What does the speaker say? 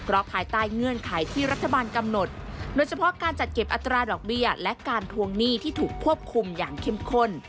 เพราะภายใต้เงื่อนไขที่รัฐบาลกำหนดโดยเฉพาะการจัดเก็บอัตราดอกเบี้ยและการทวงหนี้ที่ถูกควบคุมอย่างเข้มข้น